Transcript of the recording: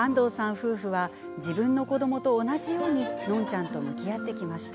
夫婦は、自分の子どもと同じように、のんちゃんと向き合ってきました。